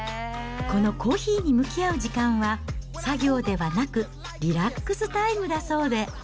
このコーヒーに向き合う時間は、作業ではなくリラックスタイムだそうで。